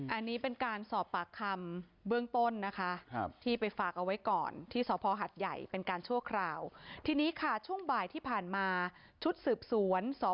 อันนี้เป็นการสอบปากคำเบื้องต้นนะคะที่ไปฝากเอาไว้ก่อนที่สพหัสใหญ่เป็นการชั่วคราว